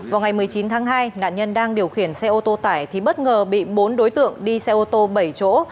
vào ngày một mươi chín tháng hai nạn nhân đang điều khiển xe ô tô tải thì bất ngờ bị bốn đối tượng đi xe ô tô bảy chỗ